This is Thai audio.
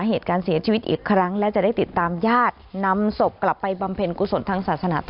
เฮ้ยมีอย่าว่ายมาน้ำมันแรง